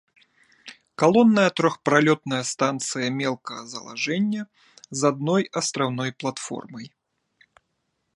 Калонная трохпралётная станцыя мелкага залажэння з адной астраўной платформай.